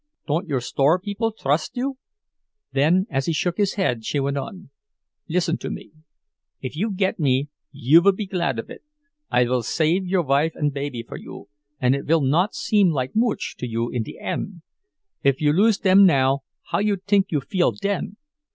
Don't your store people trust you?" Then, as he shook his head, she went on: "Listen to me—if you git me you vill be glad of it. I vill save your wife und baby for you, and it vill not seem like mooch to you in de end. If you loose dem now how you tink you feel den?